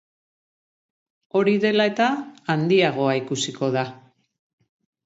Hori dela eta, handiagoa ikusiko da.